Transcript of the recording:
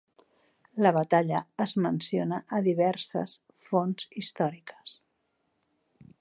La batalla es menciona a diverses fonts històriques.